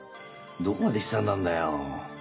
どこまで悲惨なんだよ。